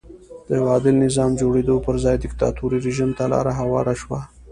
د یوه عادل نظام جوړېدو پر ځای دیکتاتوري رژیم ته لار هواره شوه.